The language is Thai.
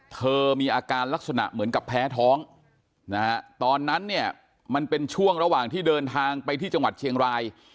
เธอมีอาการลักษณะเหมือนกับแพ้ท้องนะฮะตอนนั้นเนี่ยมันเป็นช่วงระหว่างที่เดินทางไปที่จังหวัดเชียงราย